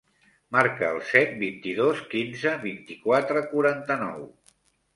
Marca el set, vint-i-dos, quinze, vint-i-quatre, quaranta-nou.